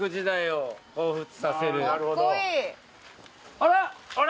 あら！